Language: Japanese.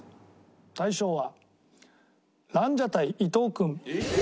大賞はランジャタイ伊藤君。